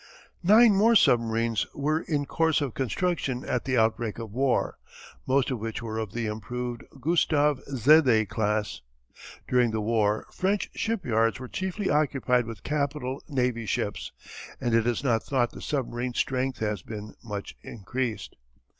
Nine more submarines were in course of construction at the outbreak of war, most of which were of the improved "Gustave Zédé" class. During the war French shipyards were chiefly occupied with capital navy ships and it is not thought the submarine strength has been much increased.